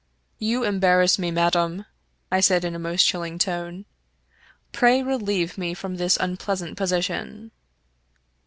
" You embarrass me, madam," I said, in a most chilling tone. " Pray relieve me from this unpleasant position."